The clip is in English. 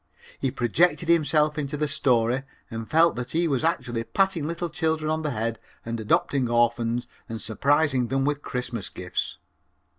He projected himself into the story and felt that he was actually patting little children on the head and adopting orphans and surprising them with Christmas gifts.